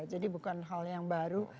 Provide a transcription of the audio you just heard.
jadi bukan hal yang baru